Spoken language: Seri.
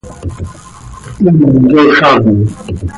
Hin yozám.